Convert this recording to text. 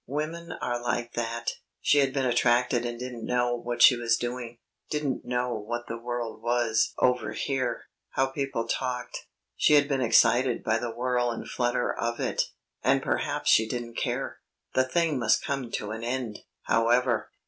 Women are like that. She had been attracted and didn't know what she was doing, didn't know what the world was over here how people talked. She had been excited by the whirl and flutter of it, and perhaps she didn't care. The thing must come to an end, however.